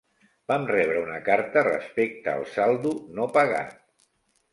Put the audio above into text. Vam rebre una carta respecte al saldo no pagat.